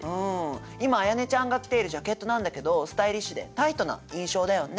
今絢音ちゃんが着ているジャケットなんだけどスタイリッシュでタイトな印象だよね。